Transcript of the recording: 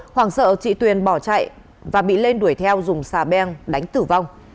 hoàng sợ chị tuyền bỏ chạy và bị lên đuổi theo dùng xà beng đánh tử vong